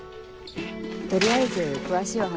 取りあえず詳しいお話